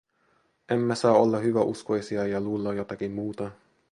Emme saa olla hyväuskoisia ja luulla jotakin muuta.